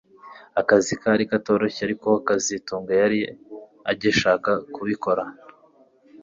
Akazi kari katoroshye ariko kazitunga yari agishaka kubikora